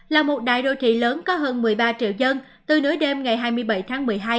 là một đại đô thị lớn có hơn một mươi ba triệu dân từ nửa đêm ngày hai mươi bảy tháng một mươi hai